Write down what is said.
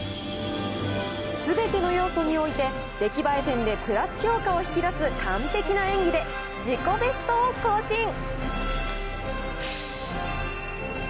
すべての要素において、出来栄え点でプラス評価を引き出す完璧な演技で、自己ベストを更新。